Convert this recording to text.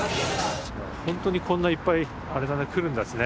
ほんとにこんないっぱいあれだね来るんだすね